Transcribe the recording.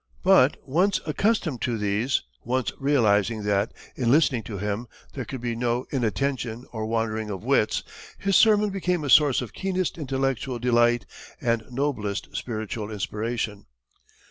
But once accustomed to these once realizing that, in listening to him there could be no inattention or wandering of wits his sermon became a source of keenest intellectual delight and noblest spiritual inspiration.